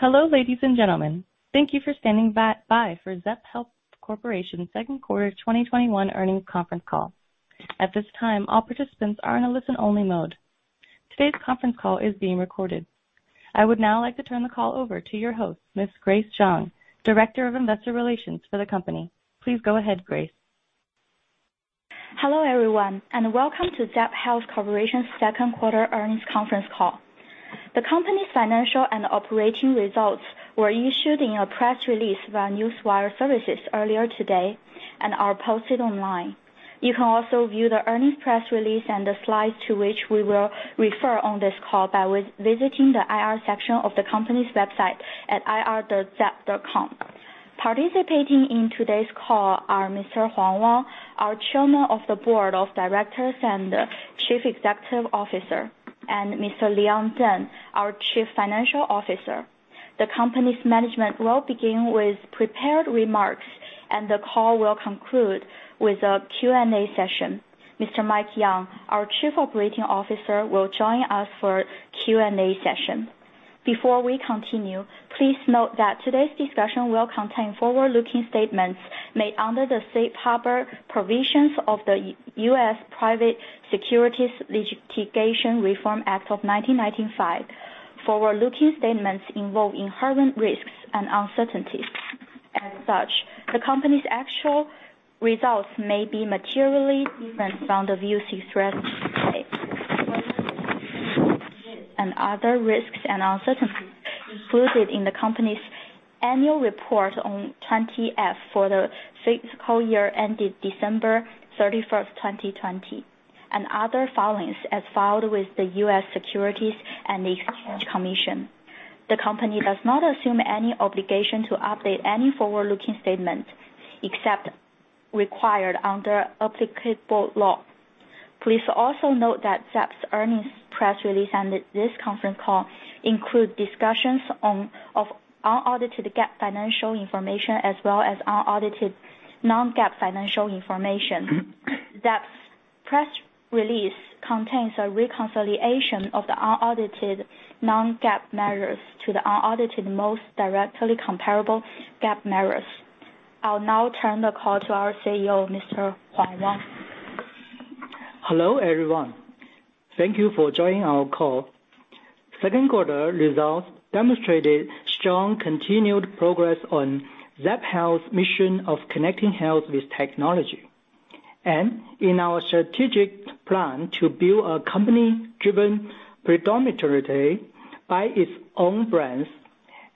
Hello, ladies and gentlemen. Thank you for standing by for Zepp Health Corporation second quarter 2021 earnings conference call. At this time, all participants are in a listen-only mode. Today's conference call is being recorded. I would now like to turn the call over to your host, Miss Grace Zhang, Director of Investor Relations for the company. Please go ahead, Grace. Hello, everyone, and welcome to Zepp Health Corporation second quarter earnings conference call. The company's financial and operating results were issued in a press release by Newswire Services earlier today and are posted online. You can also view the earnings press release and the slides to which we will refer on this call by visiting the IR section of the company's website at ir.zepp.com. Participating in today's call are Mr. Huang Wang, our Chairman of the Board of Directors and Chief Executive Officer, and Mr. Leon Deng, our Chief Financial Officer. The company's management will begin with prepared remarks, and the call will conclude with a Q&A session. Mr. Mike Yeung, our Chief Operating Officer, will join us for Q&A session. Before we continue, please note that today's discussion will contain forward-looking statements made under the safe harbor provisions of the U.S. Private Securities Litigation Reform Act of 1995. Forward-looking statements involve inherent risks and uncertainties. As such, the company's actual results may be materially different from the views expressed today and other risks and uncertainties included in the company's annual report on 20-F for the fiscal year ended December 31st, 2020, and other filings as filed with the U.S. Securities and Exchange Commission. The company does not assume any obligation to update any forward-looking statements except required under applicable law. Please also note that Zepp's earnings press release and this conference call include discussions of unaudited GAAP financial information as well as unaudited non-GAAP financial information. Zepp's press release contains a reconciliation of the unaudited non-GAAP measures to the unaudited most directly comparable GAAP measures. I'll now turn the call to our CEO, Mr. Huang Wang. Hello, everyone. Thank you for joining our call. Second quarter results demonstrated strong continued progress on Zepp Health's mission of connecting health with technology and in our strategic plan to build a company driven predominately by its own brands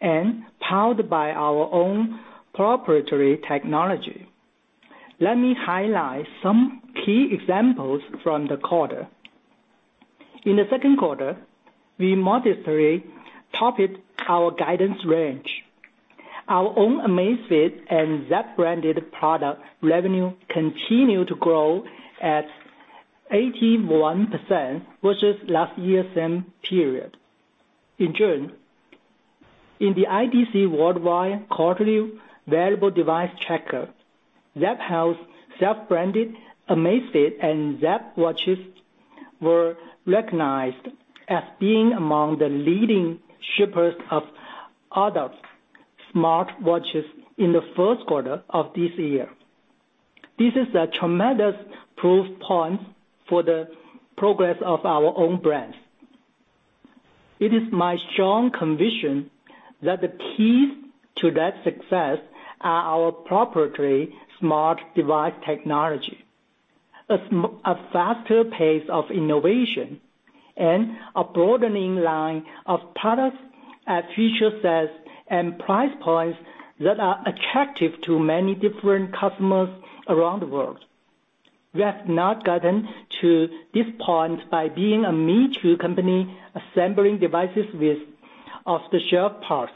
and powered by our own proprietary technology. Let me highlight some key examples from the quarter. In the second quarter, we modestly topped our guidance range. Our own Amazfit and Zepp-branded product revenue continued to grow at 81% versus last year same period. In June, in the IDC Worldwide Quarterly Wearable Device Tracker, Zepp Health self-branded Amazfit and Zepp watches were recognized as being among the leading shippers of other smartwatches in the first quarter of this year. This is a tremendous proof point for the progress of our own brands. It is my strong conviction that the keys to that success are our proprietary smart device technology, a faster pace of innovation, and a broadening line of products at feature sets and price points that are attractive to many different customers around the world. We have not gotten to this point by being a me-too company, assembling devices with off-the-shelf parts.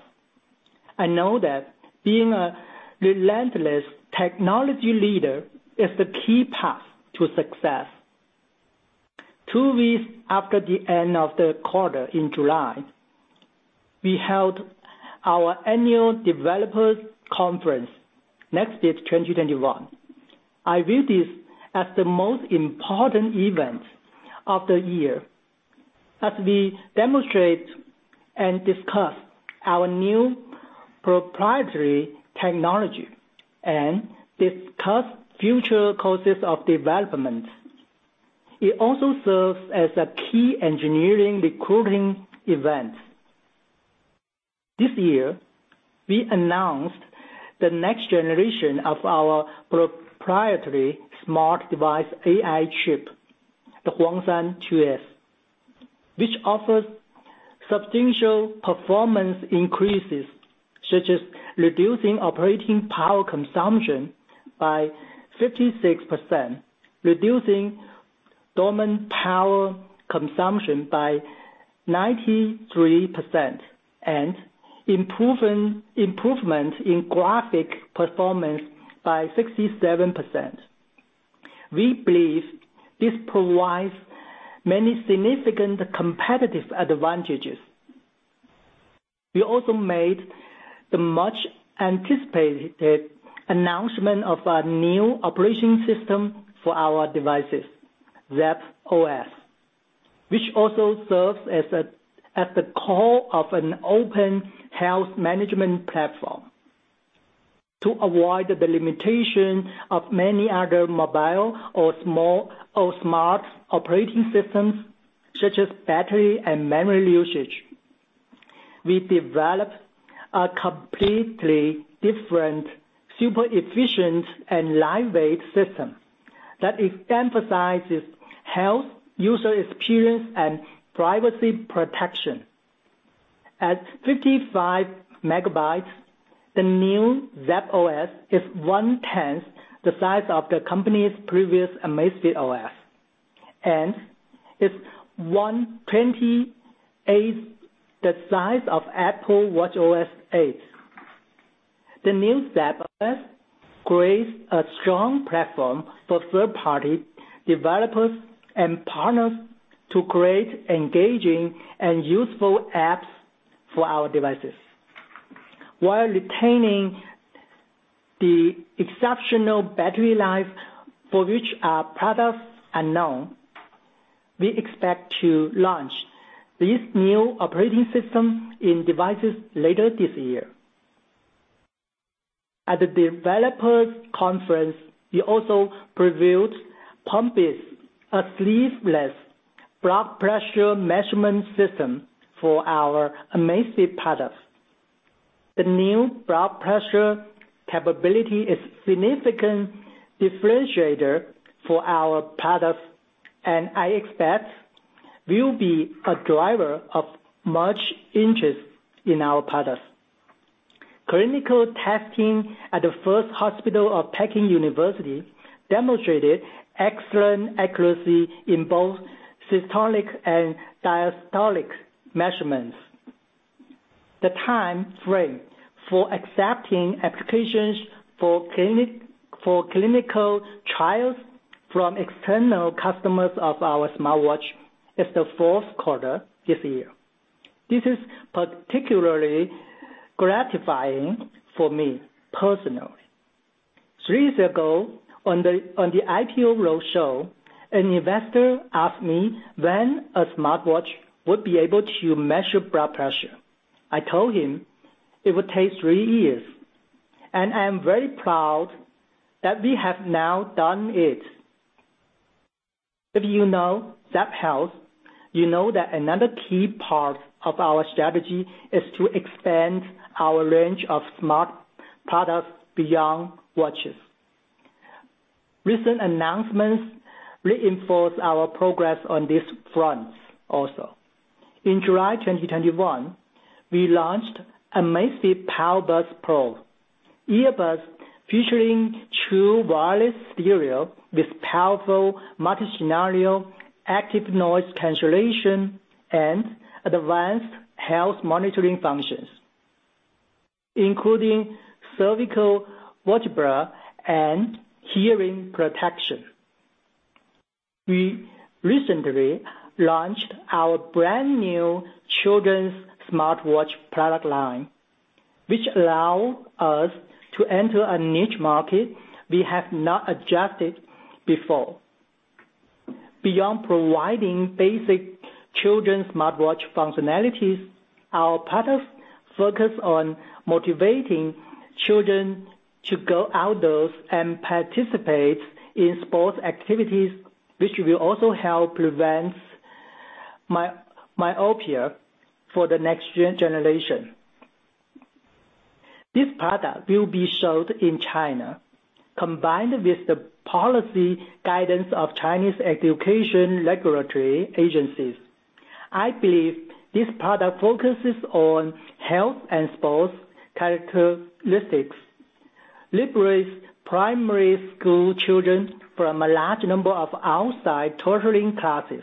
I know that being a relentless technology leader is the key path to success. Two weeks after the end of the quarter in July, we held our annual developers conference, Next Beat 2021. I view this as the most important event of the year, as we demonstrate and discuss our new proprietary technology and discuss future courses of development. It also serves as a key engineering recruiting event. This year, we announced the next generation of our proprietary smart device AI chip, the Huangshan-2S, which offers substantial performance increases, such as reducing operating power consumption by 56%, reducing dormant power consumption by 93%, and improvement in graphic performance by 67%. We believe this provides many significant competitive advantages. We also made the much-anticipated announcement of a new operating system for our devices, Zepp OS, which also serves as the core of an open health management platform. To avoid the limitation of many other mobile or smart operating systems such as battery and memory usage, we developed a completely different, super efficient, and lightweight system that emphasizes health, user experience, and privacy protection. At 55 megabytes, the new Zepp OS is one-tenth the size of the company's previous Amazfit OS, and it's one-twenty-eighth the size of Apple Watch watchOS 8. The new Zepp OS creates a strong platform for third-party developers and partners to create engaging and useful apps for our devices. While retaining the exceptional battery life for which our products are known, we expect to launch this new operating system in devices later this year. At the developers conference, we also previewed PumpBeats, a sleeveless blood pressure measurement system for our Amazfit products. The new blood pressure capability is a significant differentiator for our products, and I expect will be a driver of much interest in our products. Clinical testing at the First Hospital of the Peking University demonstrated excellent accuracy in both systolic and diastolic measurements. The timeframe for accepting applications for clinical trials from external customers of our smartwatch is the fourth quarter this year. This is particularly gratifying for me personally. Three years ago, on the IPO roadshow, an investor asked me when a smartwatch would be able to measure blood pressure. I told him it would take three years, and I am very proud that we have now done it. If you know Zepp Health, you know that another key part of our strategy is to expand our range of smart products beyond watches. Recent announcements reinforce our progress on these fronts also. In July 2021, we launched Amazfit PowerBuds Pro earbuds featuring true wireless stereo with powerful multi-scenario active noise cancellation and advanced health monitoring functions, including cervical vertebra and hearing protection. We recently launched our brand-new children's smartwatch product line, which allow us to enter a niche market we have not addressed before. Beyond providing basic children's smartwatch functionalities, our products focus on motivating children to go outdoors and participate in sports activities, which will also help prevent myopia for the next generation. This product will be sold in China. Combined with the policy guidance of Chinese education regulatory agencies, I believe this product focuses on health and sports characteristics, liberates primary school children from a large number of outside tutoring classes,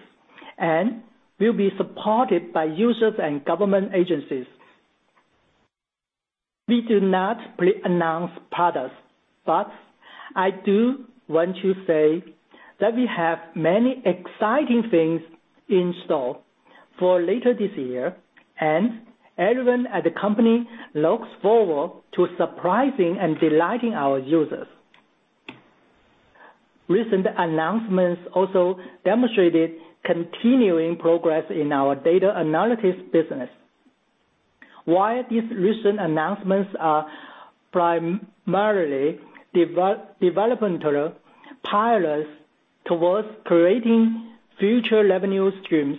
and will be supported by users and government agencies. We do not pre-announce products, but I do want to say that we have many exciting things in store for later this year, and everyone at the company looks forward to surprising and delighting our users. Recent announcements also demonstrated continuing progress in our data analytics business. While these recent announcements are primarily developmental pilots towards creating future revenue streams,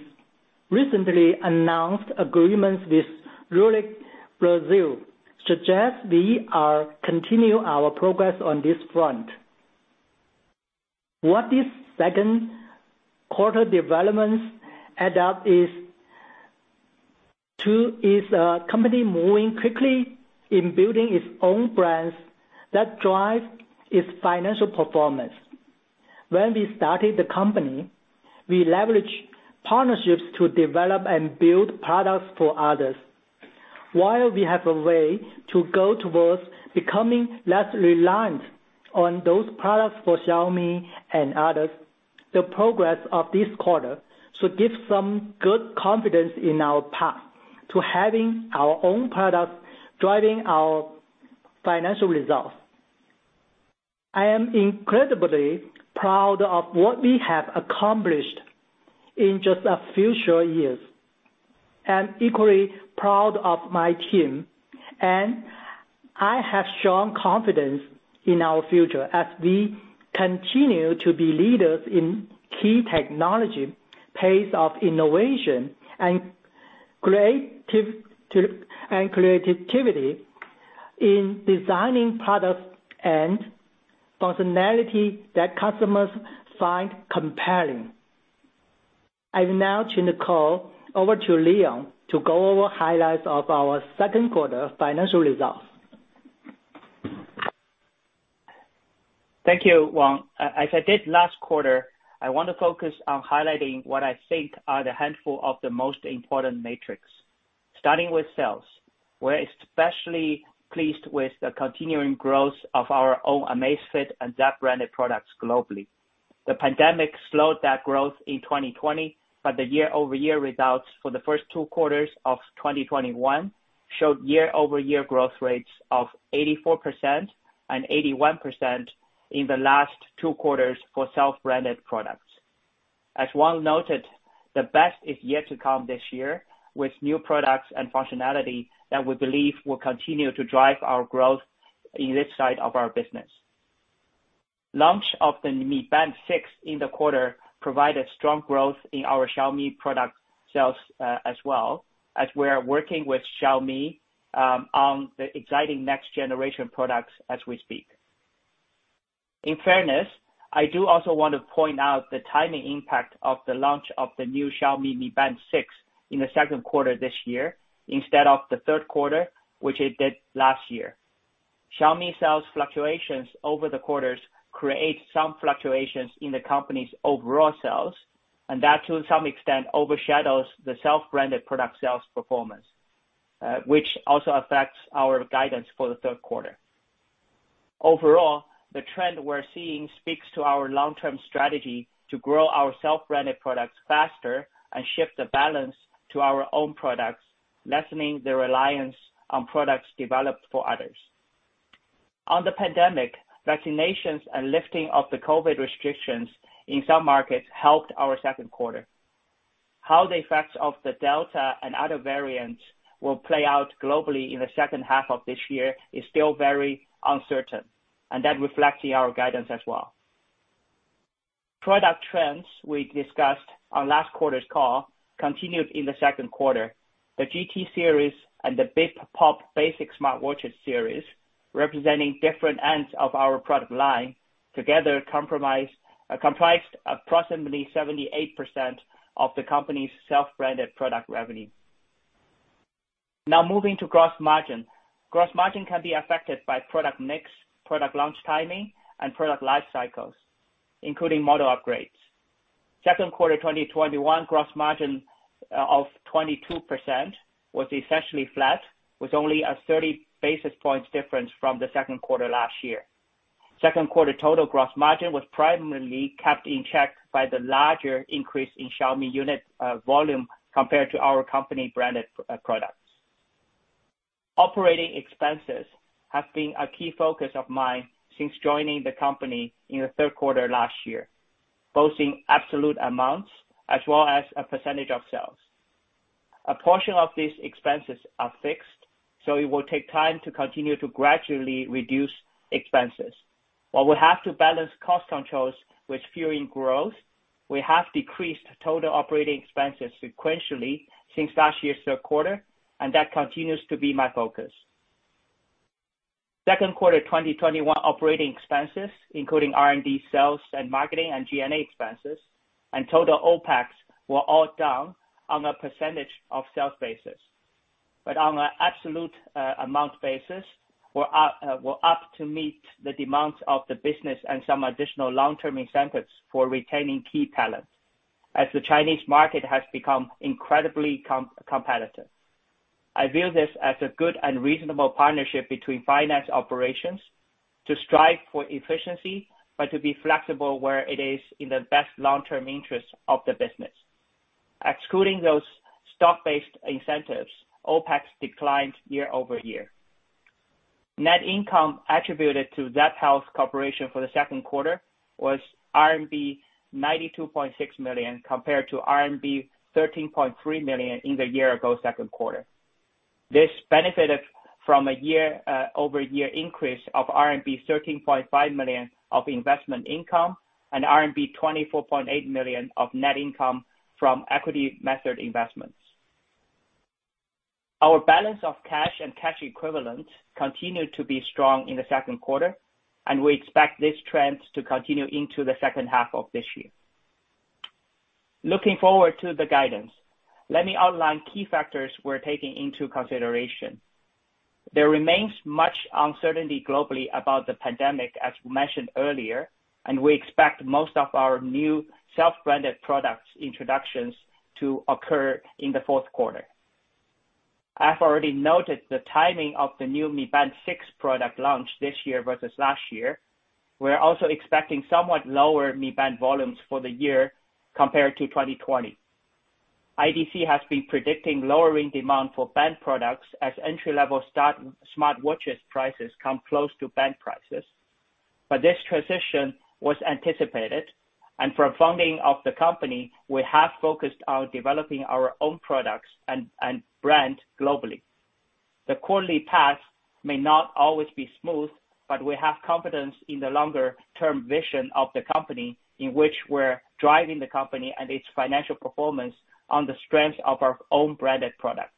recently announced agreements with Zurich Brazil suggest we are continue our progress on this front. What these second quarter developments add up is a company moving quickly in building its own brands that drive its financial performance. When we started the company, we leveraged partnerships to develop and build products for others. While we have a way to go towards becoming less reliant on those products for Xiaomi and others, the progress of this quarter should give some good confidence in our path to having our own products driving our financial results. I am incredibly proud of what we have accomplished in just a few short years, and equally proud of my team, and I have strong confidence in our future as we continue to be leaders in key technology, pace of innovation, and creativity in designing products and functionality that customers find compelling. I will now turn the call over to Leon to go over highlights of our second quarter financial results. Thank you, Wang. As I did last quarter, I want to focus on highlighting what I think are the handful of the most important metrics. Starting with sales. We're especially pleased with the continuing growth of our own Amazfit and Zepp-branded products globally. The pandemic slowed that growth in 2020, but the year-over-year results for the first two quarters of 2021 showed year-over-year growth rates of 84% and 81% in the last two quarters for self-branded products. As Wang noted, the best is yet to come this year with new products and functionality that we believe will continue to drive our growth in this side of our business. Launch of the Mi Band 6 in the quarter provided strong growth in our Xiaomi product sales as well, as we are working with Xiaomi on the exciting next generation products as we speak. In fairness, I do also want to point out the timing impact of the launch of the new Xiaomi Mi Smart Band 6 in the secondnd quarter this year instead of the third quarter, which it did last year. Xiaomi sales fluctuations over the quarters create some fluctuations in the company's overall sales, and that, to some extent, overshadows the self-branded product sales performance, which also affects our guidance for the third quarter. Overall, the trend we're seeing speaks to our long-term strategy to grow our self-branded products faster and shift the balance to our own products, lessening the reliance on products developed for others. On the pandemic, vaccinations and lifting of the COVID restrictions in some markets helped our second quarter. How the effects of the Delta and other variants will play out globally in the second half of this year is still very uncertain. That reflects in our guidance as well. Product trends we discussed on last quarter's call continued in the second quarter. The GT series and the Amazfit Bip and Pop series, representing different ends of our product line, together comprised approximately 78% of the company's self-branded product revenue. Now moving to gross margin. Gross margin can be affected by product mix, product launch timing, and product life cycles, including model upgrades. Second quarter 2021 gross margin of 22% was essentially flat, with only a 30 basis points difference from the second quarter last year. Second quarter total gross margin was primarily kept in check by the larger increase in Xiaomi unit volume compared to our company-branded products. Operating expenses have been a key focus of mine since joining the company in the third quarter last year, both in absolute amounts as well as a percentage of sales. It will take time to continue to gradually reduce expenses. While we have to balance cost controls with fueling growth, we have decreased total operating expenses sequentially since last year's third quarter, and that continues to be my focus. Second quarter 2021 operating expenses, including R&D, sales and marketing, and G&A expenses, and total OpEx were all down on a percentage of sales basis. On an absolute amount basis, were up to meet the demands of the business and some additional long-term incentives for retaining key talent as the Chinese market has become incredibly competitive. I view this as a good and reasonable partnership between finance operations to strive for efficiency, but to be flexible where it is in the best long-term interest of the business. Excluding those stock-based incentives, OpEx declined year-over-year. Net income attributed to Zepp Health Corporation for the second quarter was RMB 92.6 million, compared to RMB 13.3 million in the year ago second quarter. This benefited from a year-over-year increase of RMB 13.5 million of investment income and RMB 24.8 million of net income from equity method investments. Our balance of cash and cash equivalents continued to be strong in the second quarter, and we expect this trend to continue into the second half of this year. Looking forward to the guidance, let me outline key factors we're taking into consideration. There remains much uncertainty globally about the pandemic, as we mentioned earlier, and we expect most of our new self-branded products introductions to occur in the fourth quarter. I've already noted the timing of the new Mi Band 6 product launch this year versus last year. We're also expecting somewhat lower Mi Band volumes for the year compared to 2020. IDC has been predicting lowering demand for band products as entry-level smartwatches prices come close to band prices. This transition was anticipated, and from founding of the company, we have focused on developing our own products and brand globally. The quarterly path may not always be smooth, but we have confidence in the longer-term vision of the company in which we're driving the company and its financial performance on the strength of our own branded products.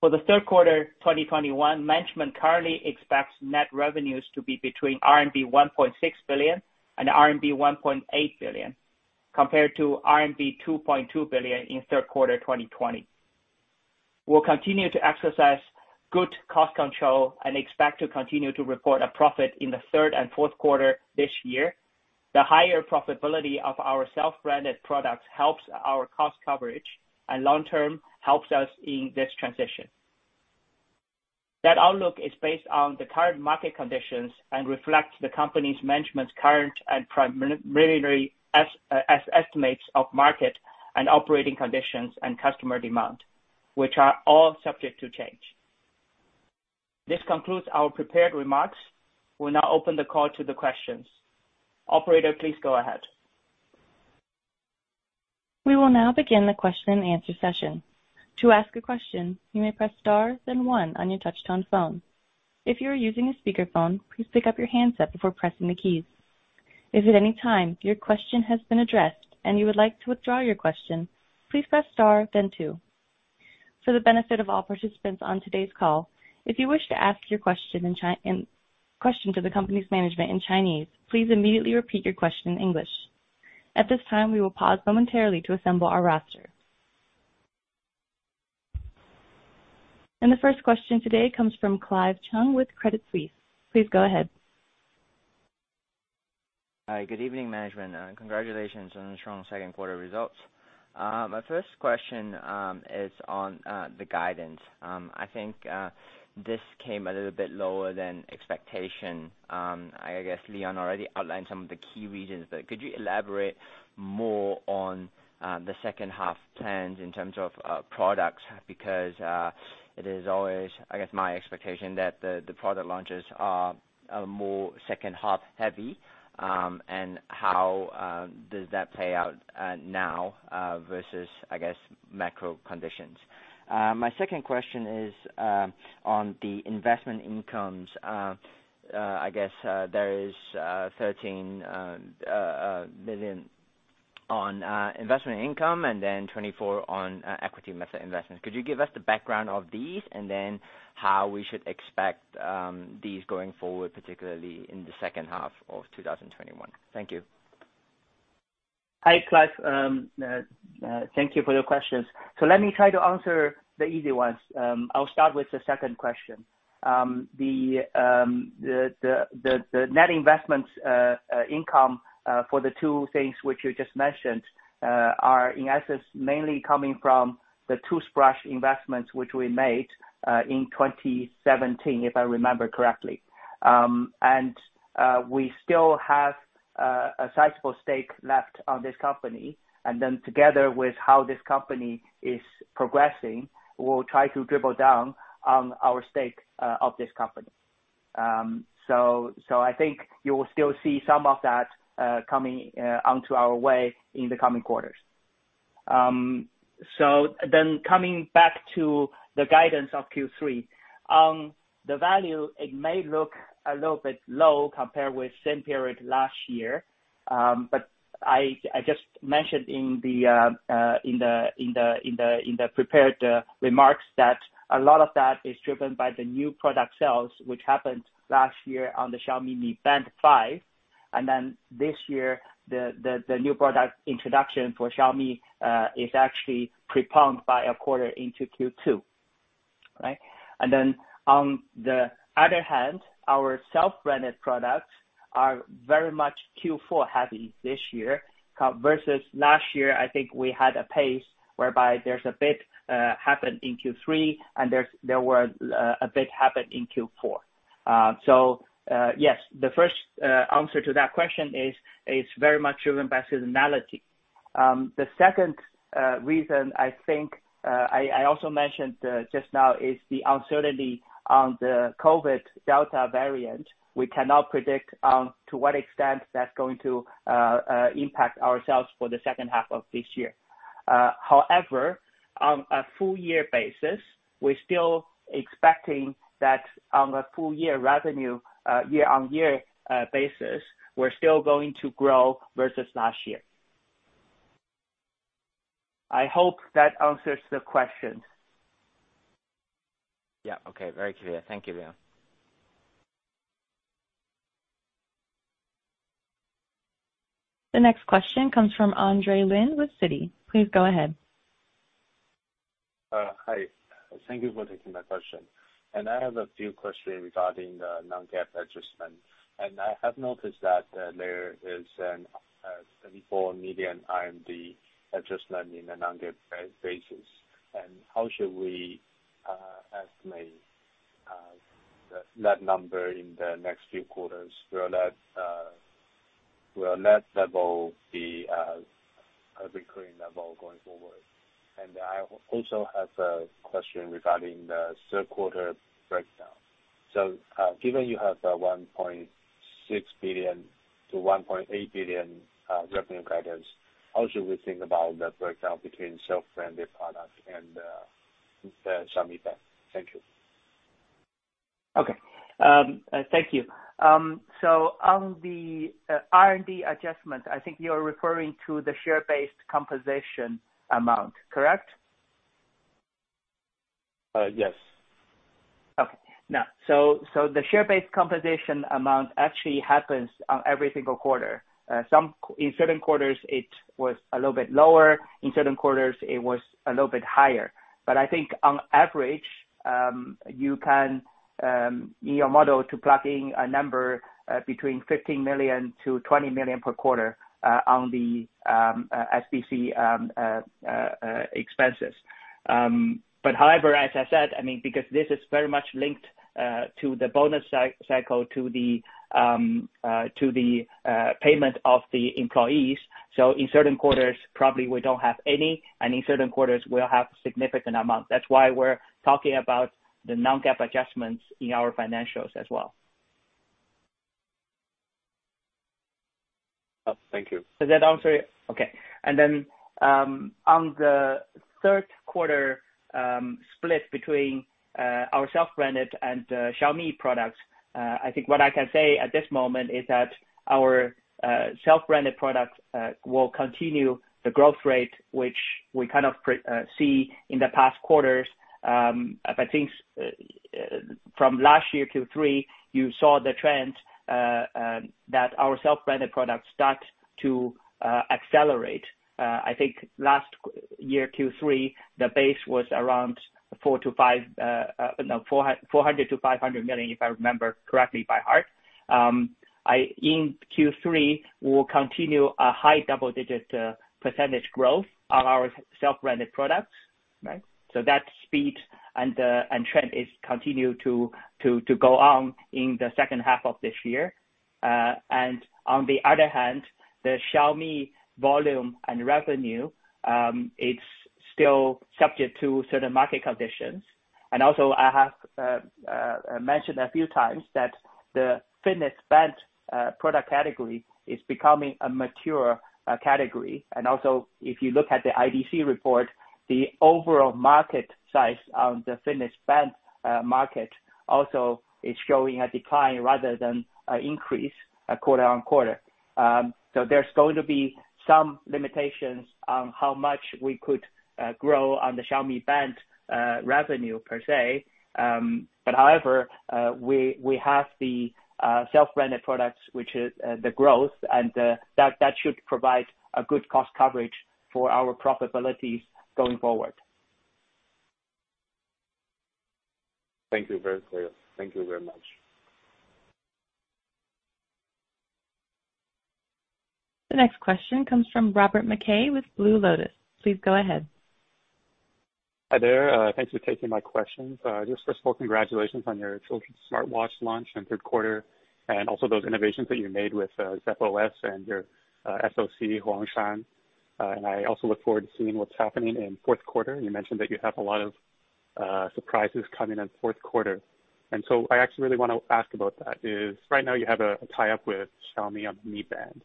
For the third quarter 2021, management currently expects net revenues to be between RMB 1.6 billion and RMB 1.8 billion, compared to RMB 2.2 billion in third quarter 2020. We'll continue to exercise good cost control and expect to continue to report a profit in the third and fourth quarter this year. The higher profitability of our self-branded products helps our cost coverage, and long term, helps us in this transition. That outlook is based on the current market conditions and reflects the company's management's current and primary estimates of market and operating conditions and customer demand, which are all subject to change. This concludes our prepared remarks. We'll now open the call to the questions. Operator, please go ahead. We will now begin the question-and-answer session. To ask a question, you may press star then one on your touchtone phone. If you are using a speakerphone, please pick up your handset before pressing the keys. If at any time your question has been addressed and you would like to withdraw your question, please press star then two. For the benefit of all participants on today's call, if you wish to ask your question to the company's management in Chinese, please immediately repeat your question in English. At this time, we will pause momentarily to assemble our roster. The first question today comes from Clive Chung with Credit Suisse. Please go ahead. Hi. Good evening, management. Congratulations on the strong second quarter results. My first question is on the guidance. I think this came a little bit lower than expectation. I guess Leon already outlined some of the key reasons, but could you elaborate more on the second half plans in terms of products? Because it is always, I guess, my expectation that the product launches are more second half heavy, and how does that play out now, versus, I guess, macro conditions. My second question is on the investment incomes. I guess there is 13 million on investment income and then 24 million on equity method investments. Could you give us the background of these and then how we should expect these going forward, particularly in the second half of 2021? Thank you. Hi, Clive. Thank you for your questions. Let me try to answer the easy ones. I'll start with the second question. The net investments income for the two things which you just mentioned, are in essence mainly coming from the toothbrush investments which we made in 2017, if I remember correctly. We still have a sizable stake left on this company, and then together with how this company is progressing, we'll try to dribble down on our stake of this company. I think you will still see some of that coming onto our way in the coming quarters. Coming back to the guidance of Q3. The value, it may look a little bit low compared with same period last year. I just mentioned in the prepared remarks that a lot of that is driven by the new product sales, which happened last year on the Xiaomi Mi Band 5, and then this year, the new product introduction for Xiaomi is actually preponed by a quarter into Q2, right? On the other hand, our self-branded products are very much Q4 heavy this year, versus last year, I think we had a pace whereby there's a bit happened in Q3 and there was a bit happened in Q4. Yes, the first answer to that question is, it's very much driven by seasonality. The second reason I think, I also mentioned just now, is the uncertainty on the COVID Delta variant. We cannot predict to what extent that's going to impact ourselves for the second half of this year. On a full year basis, we're still expecting that on a full year revenue, year-on-year basis, we're still going to grow versus last year. I hope that answers the question. Yeah. Okay. Very clear. Thank you, Leon. The next question comes from Andre Lin with Citi. Please go ahead. Hi. Thank you for taking my question. I have a few questions regarding the non-GAAP adjustment. I have noticed that there is an RMB 74 million adjustment in the non-GAAP basis. How should we estimate that number in the next few quarters, will that level be a recurring level going forward? I also have a question regarding the third quarter breakdown. Given you have a 1.6 billion-1.8 billion revenue guidance, how should we think about the breakdown between self-branded product and the Xiaomi Band? Thank you. Okay. Thank you. On the R&D adjustment, I think you're referring to the share-based compensation amount, correct? Yes. Okay. Now, the share-based compensation amount actually happens on every single quarter. In certain quarters, it was a little bit lower. In certain quarters, it was a little bit higher. I think on average, you can, in your model, to plug in a number between 15 million-20 million per quarter, on the SBC expenses. However, as I said, because this is very much linked to the bonus cycle to the payment of the employees. In certain quarters, probably we don't have any, and in certain quarters we'll have significant amounts. That's why we're talking about the non-GAAP adjustments in our financials as well. Oh, thank you. Does that answer it? Okay. On the third quarter split between our self-branded and Xiaomi products, I think what I can say at this moment is that our self-branded products will continue the growth rate, which we kind of see in the past quarters. I think from last year Q3, you saw the trend that our self-branded products start to accelerate. I think last year Q3, the base was around 400 million-500 million, if I remember correctly by heart. In Q3, we'll continue a high double-digit percentage growth on our self-branded products, right? That speed and trend continue to go on in the second half of this year. On the other hand, the Xiaomi volume and revenue, it's still subject to certain market conditions. I have mentioned a few times that the fitness band product category is becoming a mature category. Also, if you look at the IDC report, the overall market size on the fitness band market also is showing a decline rather than an increase quarter-on-quarter. There's going to be some limitations on how much we could grow on the Xiaomi band revenue per se. However, we have the self-branded products, which is the growth, and that should provide a good cost coverage for our profitability going forward. Thank you. Very clear. Thank you very much. The next question comes from Robert McKay with Blue Lotus. Please go ahead. Hi there. Thanks for taking my questions. Just first of all, congratulations on your children's smartwatch launch in third quarter, and also those innovations that you made with Zepp OS and your SoC, Huangshan. I also look forward to seeing what's happening in fourth quarter. You mentioned that you have a lot of surprises coming in fourth quarter, and so I actually really want to ask about that is, right now you have a tie-up with Xiaomi on the Mi Band.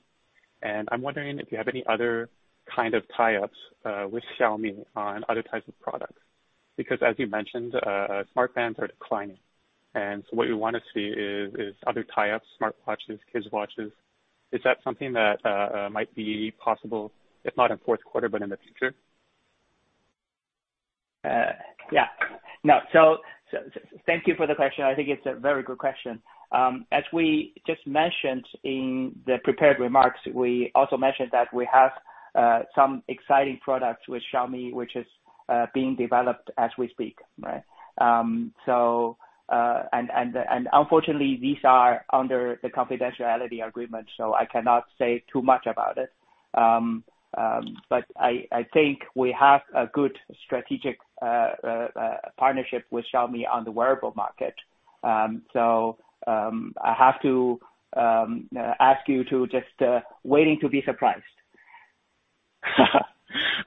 I'm wondering if you have any other kind of tie-ups with Xiaomi on other types of products, because as you mentioned, smart bands are declining. What we want to see is other tie-ups, smartwatches, kids' watches. Is that something that might be possible, if not in fourth quarter, but in the future? Yeah. No. Thank you for the question. I think it's a very good question. As we just mentioned in the prepared remarks, we also mentioned that we have some exciting products with Xiaomi, which is being developed as we speak, right? Unfortunately, these are under the confidentiality agreement, I cannot say too much about it. I think we have a good strategic partnership with Xiaomi on the wearable market. I have to ask you to just waiting to be surprised.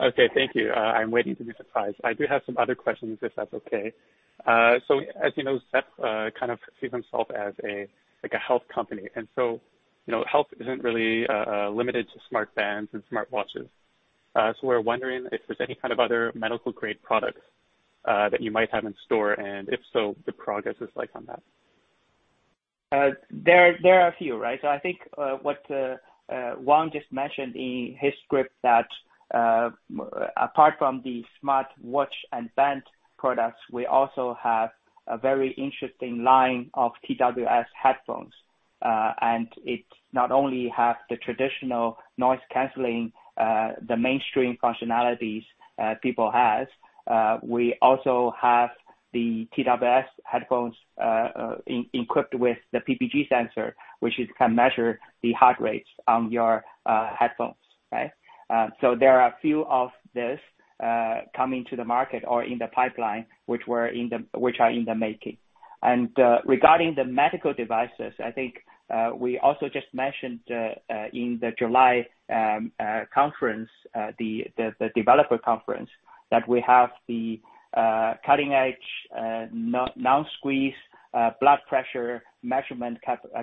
Okay. Thank you. I'm waiting to be surprised. I do have some other questions, if that's okay. As you know, Zepp kind of sees themselves as a health company, health isn't really limited to smart bands and smartwatches. We're wondering if there's any kind of other medical-grade products that you might have in store, and if so, the progress is like on that. There are a few, right? I think what Wang just mentioned in his script, that apart from the smartwatch and band products, we also have a very interesting line of TWS headphones. It not only have the traditional noise-canceling, the mainstream functionalities people have, we also have the TWS headphones equipped with the PPG sensor, which can measure the heart rates on your headphones. There are a few of these coming to the market or in the pipeline, which are in the making. Regarding the medical devices, I think we also just mentioned in the July conference, the developer conference, that we have the cutting-edge non-squeeze blood pressure measurement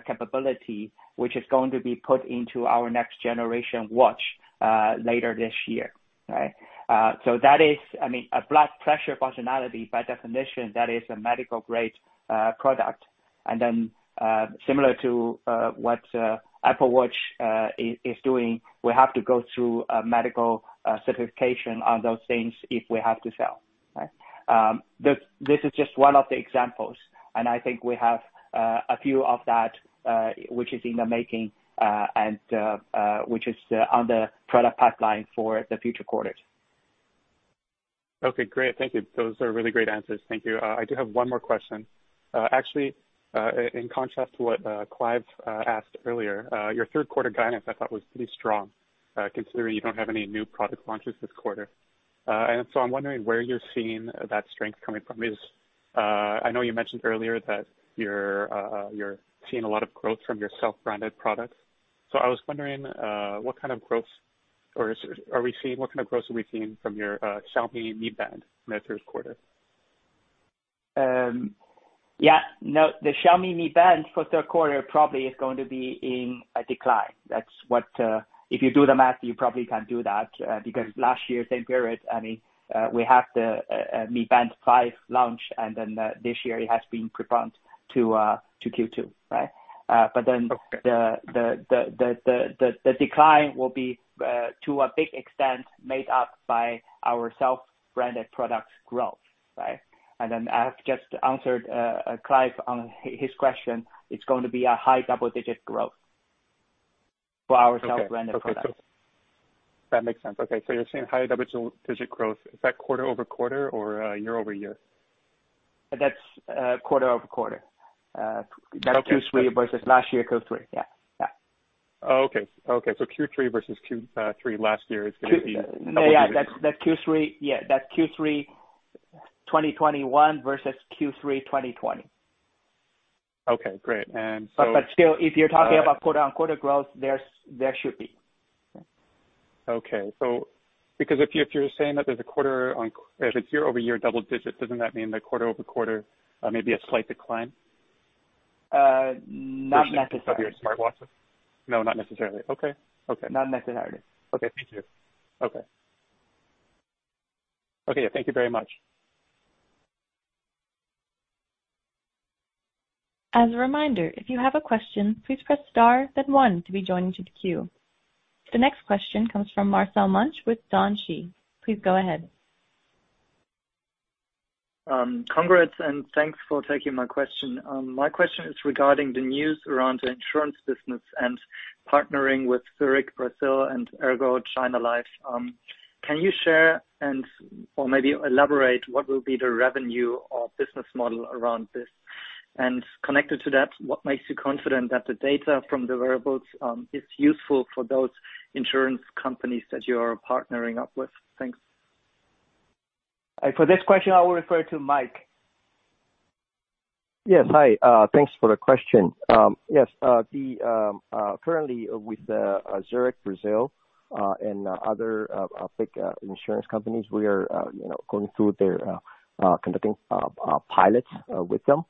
capability, which is going to be put into our next generation watch later this year. That is a blood pressure functionality, by definition, that is a medical-grade product. Similar to what Apple Watch is doing, we have to go through a medical certification on those things if we have to sell. This is just one of the examples, and I think we have a few of that, which is in the making, and which is on the product pipeline for the future quarters. Okay, great. Thank you. Those are really great answers. Thank you. I do have one more question. Actually, in contrast to what Clive asked earlier, your third quarter guidance, I thought, was pretty strong, considering you don't have any new product launches this quarter. I'm wondering where you're seeing that strength coming from. I know you mentioned earlier that you're seeing a lot of growth from your self-branded products. I was wondering, what kind of growth are we seeing from your Xiaomi Mi Band in the third quarter? Yeah. No, the Xiaomi Mi Band for third quarter probably is going to be in a decline. If you do the math, you probably can do that, because last year, same period, we had the Mi Band 5 launch. This year it has been preponed to Q2. The decline will be to a big extent made up by our self-branded products growth. I have just answered Clive on his question. It's going to be a high double-digit growth for our self-branded products. Cool. That makes sense. You're seeing high double-digit growth. Is that quarter-over-quarter or year-over-year? That's quarter-over-quarter. Okay. That Q3 versus last year Q3. Yeah. Oh, okay. Q3 versus Q3 last year. Yeah. That's Q3 2021 versus Q3 2020. Okay, great. Still, if you're talking about quarter-on-quarter growth, there should be. Okay. If you're saying that if it's year-over-year double digit, doesn't that mean that quarter-over-quarter, maybe a slight decline? Not necessarily. No, not necessarily. Okay. Not necessarily. Okay. Thank you. Okay. Thank you very much. As a reminder, if you have a question, please press star then one to be joined into the queue. The next question comes from Marcel Münch with DŌNGXii. Please go ahead. Congrats, thanks for taking my question. My question is regarding the news around the insurance business and partnering with Zurich Brazil and ERGO China Life. Can you share or maybe elaborate what will be the revenue or business model around this? Connected to that, what makes you confident that the data from the wearables is useful for those insurance companies that you are partnering up with? Thanks. For this question, I will refer to Mike. Yes. Hi. Thanks for the question. Yes. Currently, with Zurich Brazil and other big insurance companies, we are conducting pilots with them.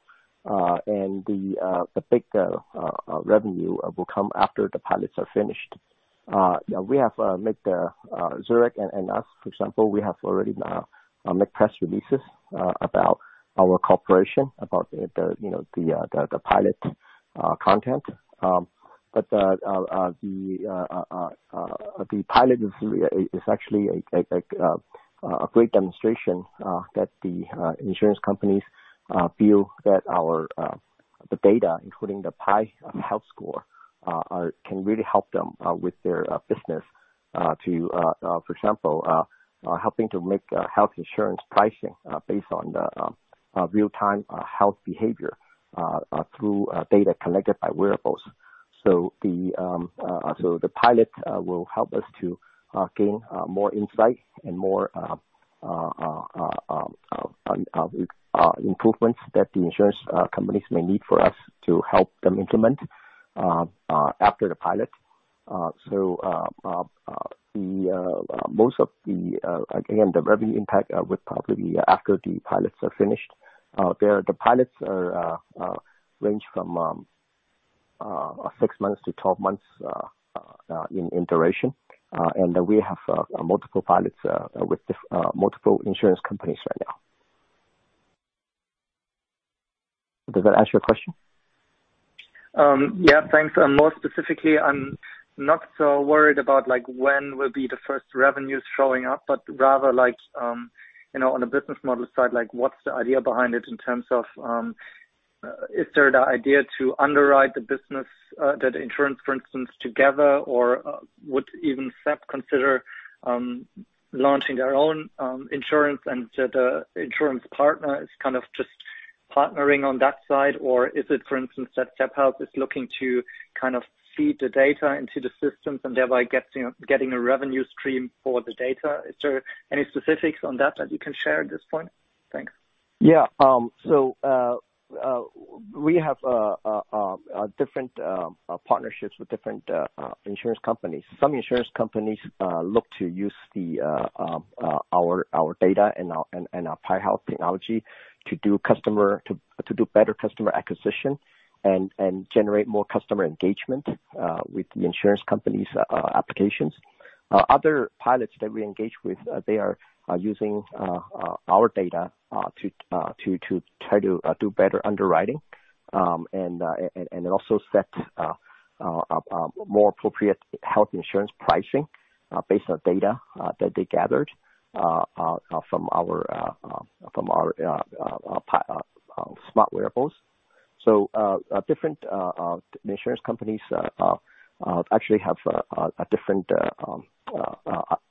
The big revenue will come after the pilots are finished. Zurich and us, for example, we have already made press releases about our cooperation, about the pilot content. The pilot is actually a great demonstration that the insurance companies feel that the data, including the PAI Health score, can really help them with their business to, for example, helping to make health insurance pricing based on the real-time health behavior through data collected by wearables. The pilot will help us to gain more insight and more improvements that the insurance companies may need for us to help them implement after the pilot. Again, the revenue impact will probably be after the pilots are finished. The pilots range from 6 months-12 months in duration. We have multiple pilots with multiple insurance companies right now. Does that answer your question? Yeah. Thanks. More specifically, I'm not so worried about when will be the first revenues showing up, but rather, on the business model side, what's the idea behind it in terms of, is there the idea to underwrite the business, that insurance, for instance, together, or would even Zepp consider launching their own insurance, and the insurance partner is kind of just partnering on that side? Is it, for instance, that Zepp Health is looking to feed the data into the systems and thereby getting a revenue stream for the data? Is there any specifics on that you can share at this point? Thanks. We have different partnerships with different insurance companies. Some insurance companies look to use our data and our PAI Health technology to do better customer acquisition and generate more customer engagement with the insurance company's applications. Other pilots that we engage with, they are using our data to try to do better underwriting. Also set more appropriate health insurance pricing based on data that they gathered from our smart wearables. Different insurance companies actually have different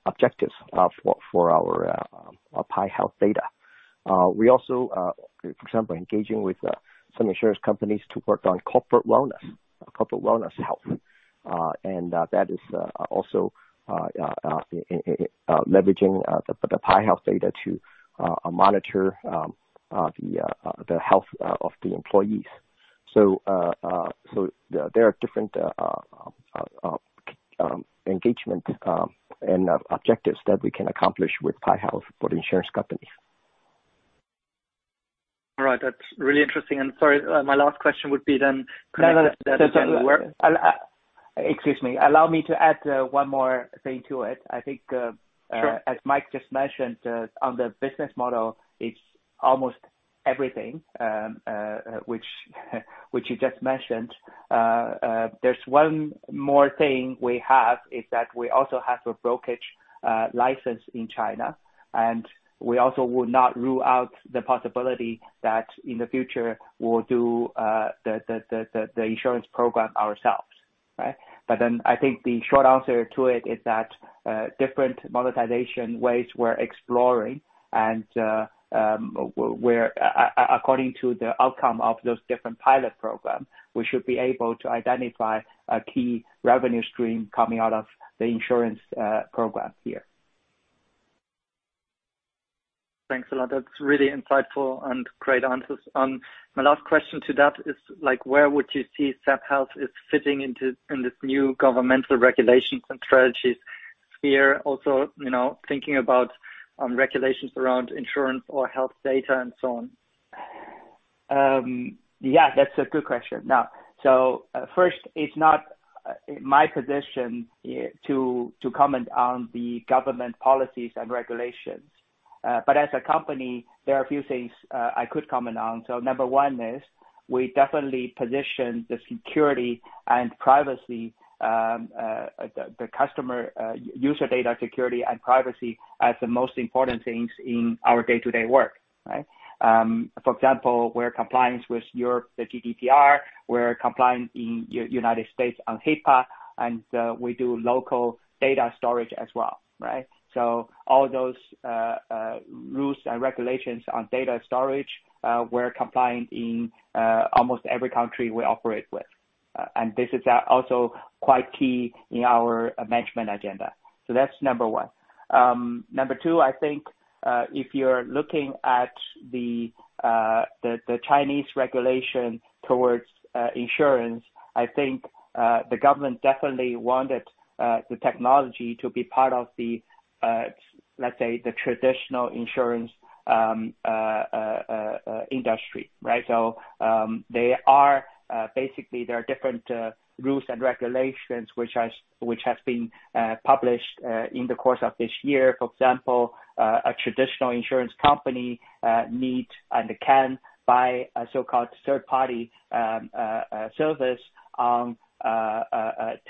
objectives for our PAI Health data. We also, for example, engaging with some insurance companies to work on corporate wellness health. That is also leveraging the PAI Health data to monitor the health of the employees. There are different engagement and objectives that we can accomplish with PAI Health for the insurance company. All right. That's really interesting. Sorry, my last question would be then. No, no. Excuse me. Allow me to add one more thing to it. Sure As Mike just mentioned, on the business model, it's almost everything, which you just mentioned. There's one more thing we have, is that we also have a brokerage license in China, and we also would not rule out the possibility that in the future we'll do the insurance program ourselves. Right? I think the short answer to it is that different monetization ways we're exploring, and according to the outcome of those different pilot programs, we should be able to identify a key revenue stream coming out of the insurance program here. Thanks a lot. That's really insightful and great answers. My last question to that is, where would you see Zepp Health is fitting in this new governmental regulations and strategies sphere? Also thinking about regulations around insurance or health data and so on. Yeah, that's a good question. First, it's not my position to comment on the government policies and regulations. As a company, there are a few things I could comment on. Number one is we definitely position the security and privacy, the customer user data security and privacy, as the most important things in our day-to-day work. Right? For example, we're compliant with Europe, the GDPR, we're compliant in United States on HIPAA, and we do local data storage as well. Right? All those rules and regulations on data storage, we're compliant in almost every country we operate with. This is also quite key in our management agenda. That's number one. Number two, I think if you're looking at the Chinese regulation towards insurance, I think the government definitely wanted the technology to be part of, let's say, the traditional insurance industry, right? Basically, there are different rules and regulations which have been published in the course of this year. For example, a traditional insurance company need and can buy a so-called third-party service on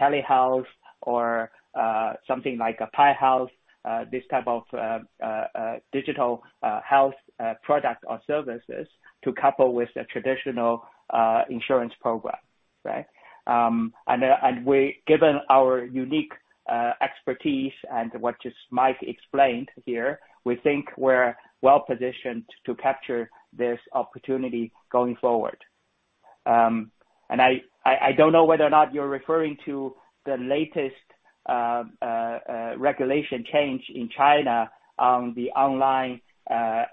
telehealth or something like a PAI Health, this type of digital health product or services to couple with a traditional insurance program. Right? Given our unique expertise and what Mike explained here, we think we're well-positioned to capture this opportunity going forward. I don't know whether or not you're referring to the latest regulation change in China on the online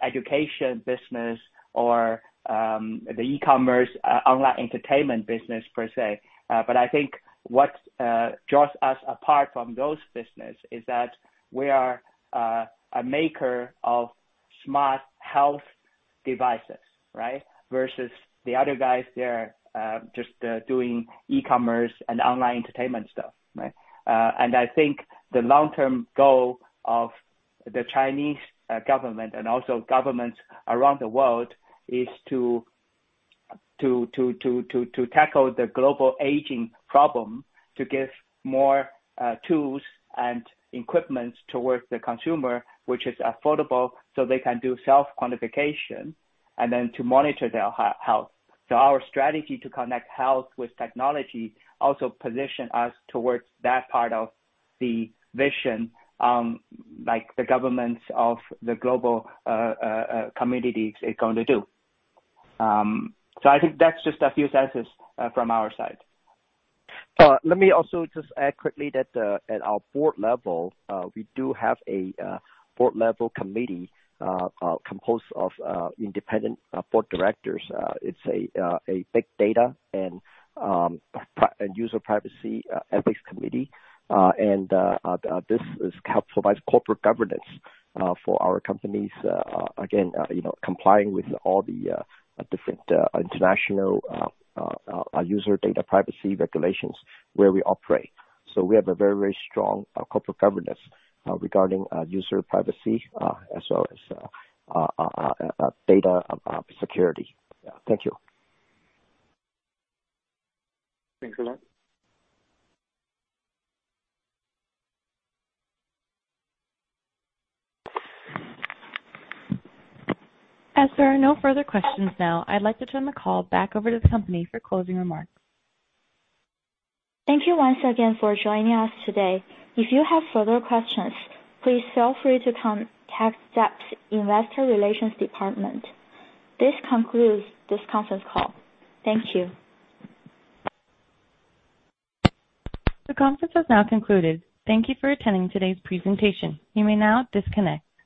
education business or the e-commerce online entertainment business per se. I think what draws us apart from those business is that we are a maker of smart health devices, right? Versus the other guys, they're just doing e-commerce and online entertainment stuff, right? I think the long-term goal of the Chinese government and also governments around the world is to tackle the global aging problem, to give more tools and equipments towards the consumer, which is affordable, so they can do self-quantification, and then to monitor their health. Our strategy to connect health with technology also position us towards that part of the vision, like the governments of the global communities is going to do. I think that's just a few sentences from our side. Let me also just add quickly that at our board level, we do have a board level committee composed of independent board directors. It's a big data and user privacy ethics committee. This helps provide corporate governance for our companies, again complying with all the different international user data privacy regulations where we operate. We have a very, very strong corporate governance regarding user privacy as well as data security. Thank you. Thanks a lot. As there are no further questions now, I'd like to turn the call back over to the company for closing remarks. Thank you once again for joining us today. If you have further questions, please feel free to contact Zepp's investor relations department. This concludes this conference call. Thank you. The conference has now concluded. Thank you for attending today's presentation. You may now disconnect.